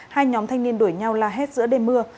hai nhóm thanh niên đuổi nhau là hết giữa đêm mưa